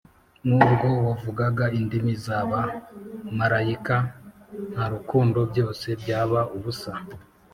Nubwo wavuga indimi zaba marayika ntarukundo byose byaba ubusa